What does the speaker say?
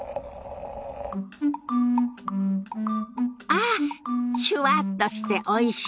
ああっシュワッとしておいし。